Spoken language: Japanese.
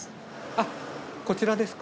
あっこちらですか。